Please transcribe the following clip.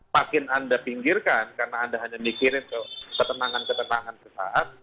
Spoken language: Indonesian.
makin anda pinggirkan karena anda hanya mikirin ketenangan ketenangan sesaat